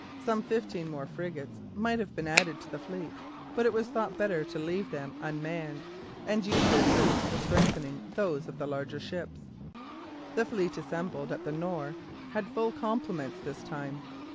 Some fifteen more frigates might have been added to the fleet, but it was thought better to leave them unmanned, and use their crews for strengthening those of the larger ships. The fleet assembled at the Nore had full complements this time.